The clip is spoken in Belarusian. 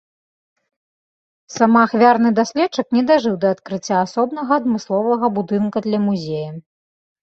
Самаахвярны даследчык не дажыў да адкрыцця асобнага адмысловага будынка для музея.